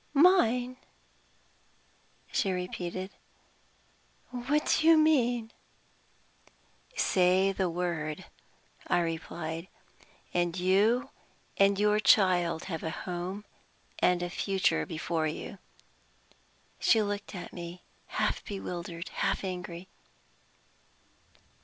"Mine?" she repeated. "What do you mean?" "Say the word," I replied, "and you and your child have a home and a future before you." She looked at me half bewildered, half angry.